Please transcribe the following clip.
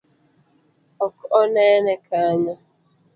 Ok onene kanyo?